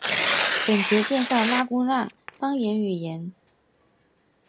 本节介绍拉祜纳方言语音。